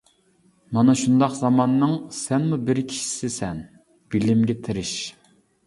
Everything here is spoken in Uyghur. مانا شۇنداق زاماننىڭ سەنمۇ بىر كىشىسى سەن، بىلىمگە تىرىش!